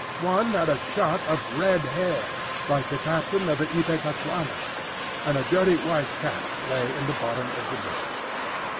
One had a shock of red hair, like the captain of the Ipecacuanha, and a dirty white cap lay in the bottom of the boat.